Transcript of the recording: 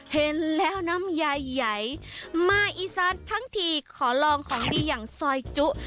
เห็นแล้วน้ำยายใหญ่มาอีสานทั้งทีขอลองของดีอย่างซอยจุ